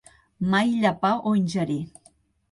Mai llepar o ingerir.